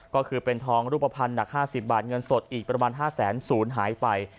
ก็คือเป็นทองรูปภัณฑ์หนัก๕๐บาทเงินสดอีกประมาณ๕แสนศูนย์หายไป